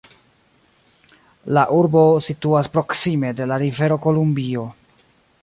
La urbo situas proksime de la Rivero Kolumbio.